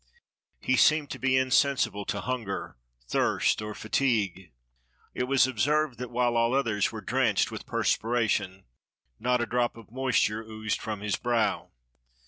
He seemed to be insensible to hunger, thirst, or fatigue. It was observed that, while all others were drenched with perspiration, not a drop of moisture oozed from his brow.